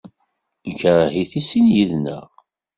Nekṛeh-it i sin yid-nneɣ.